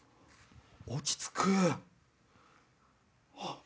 落ち着く！